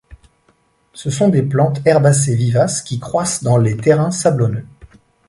Ce sont des plantes herbacées vivaces, qui croissent dans les terrains sablonneux.